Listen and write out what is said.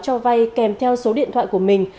cho vai kèm theo số điện thoại của mình